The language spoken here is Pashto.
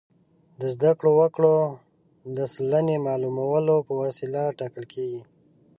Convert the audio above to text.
د زده کړو وګړو د سلنې معلومولو په وسیله ټاکل کیږي.